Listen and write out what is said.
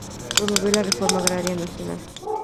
Promovió la Reforma Agraria nacional.